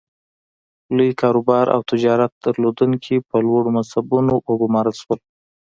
لوی کاروبار او تجارت درلودونکي په لوړو منصبونو وګومارل شول.